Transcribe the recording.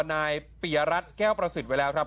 นายปียรัฐแก้วประสิทธิ์ไว้แล้วครับ